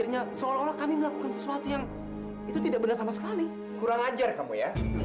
masa mesti papa kesana lagi